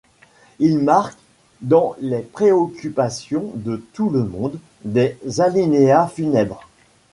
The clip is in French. Il marque, dans les préoccupations de tout le monde, des alinéas funèbres.